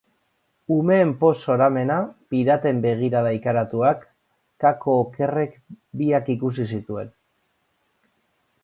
Umeen poz zoramena, piraten begirada ikaratuak, Kako--okerrek biak ikusi zituen.